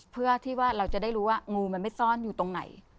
เพื่อที่ว่าเราจะได้รู้ว่างูมันไม่ซ่อนอยู่ตรงไหน